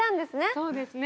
そうですね。